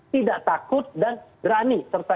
tidak takut dan berani serta